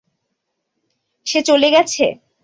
সে চলে গেছে?